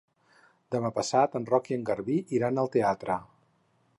Demà passat en Roc i en Garbí iran al teatre.